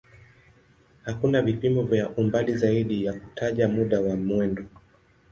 Hakuna vipimo vya umbali zaidi ya kutaja muda wa mwendo.